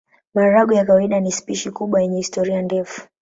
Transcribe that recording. Maharagwe ya kawaida ni spishi kubwa yenye historia ndefu.